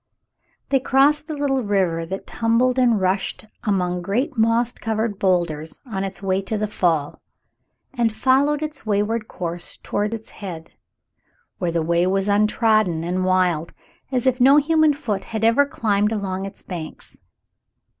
They crossed the little river that tumbled and rushed among great moss covered boulders on its way to the fall, and followed its wayward course toward its head, where the w^ay was untrodden and wild, as if no human foot had ever climbed along its banks.